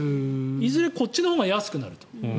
いずれこっちのほうが安くなると。